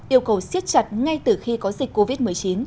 yêu cầu siết chặt ngay từ khi có dịch covid một mươi chín